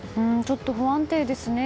不安定ですね。